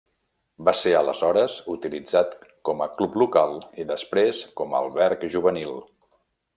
Va ser aleshores utilitzat com a club local i després com a alberg juvenil.